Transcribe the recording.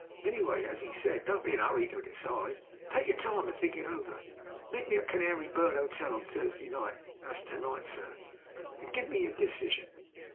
Anyway, as he said, 'Don't be in a 'urry to decide; take your time and think it over. Meet me at the Canary Bird 'Otel on Thursday night (that's to night, sir) and give me your decision.'